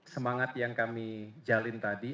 semangat yang kami jalin tadi